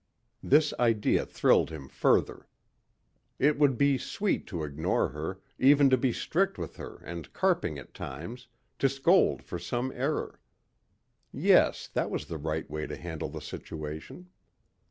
This idea thrilled him further. It would be sweet to ignore her, even to be strict with her and carping at times, to scold for some error. Yes, that was the right way to handle the situation.